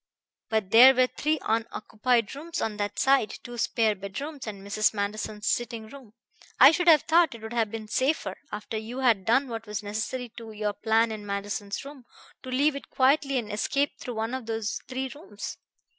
But there were three unoccupied rooms on that side: two spare bedrooms and Mrs. Manderson's sitting room. I should have thought it would have been safer, after you had done what was necessary to your plan in Manderson's room, to leave it quietly and escape through one of those three rooms....